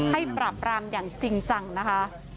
ปรับรามอย่างจริงจังนะคะ